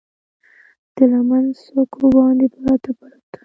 د لمن څوکو باندې، پراته، پراته